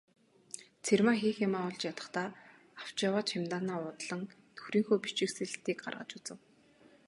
Цэрмаа хийх юмаа олж ядахдаа авч яваа чемоданаа уудлан нөхрийнхөө бичиг сэлтийг гаргаж үзэв.